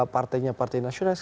partainya partai nasionalis